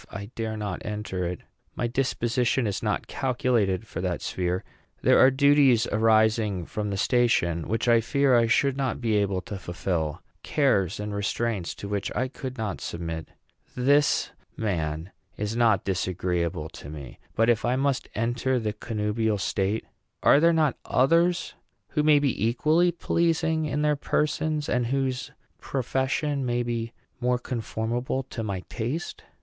I dare not enter it. My disposition is not calculated for that sphere. There are duties arising from the station which I fear I should not be able to fulfil, cares and restraints to which I could not submit. This man is not disagreeable to me; but if I must enter the connubial state, are there not others who may be equally pleasing in their persons, and whose profession may be more conformable to my taste?